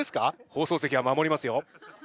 放送席は守りますよ。